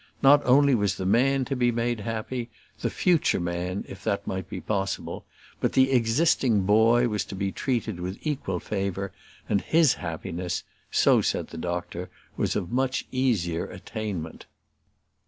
Not only was the man to be made happy the future man, if that might be possible but the existing boy was to be treated with equal favour; and his happiness, so said the doctor, was of much easier attainment.